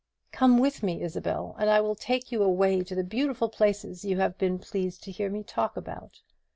Come with me, Isabel, and I will take you away to the beautiful places you have been pleased to hear me talk about.